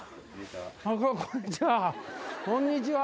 こんにちは。